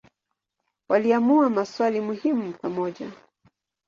Waliamua maswali muhimu pamoja.